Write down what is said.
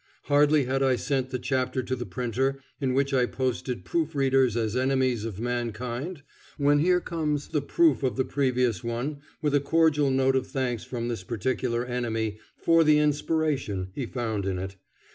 Hardly had I sent the chapter to the printer in which I posted proofreaders as enemies of mankind when here comes the proof of the previous one with a cordial note of thanks from this particular enemy "for the inspiration" he found in it.